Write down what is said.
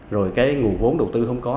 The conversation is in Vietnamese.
rồi cái nguồn vốn đầu tư không có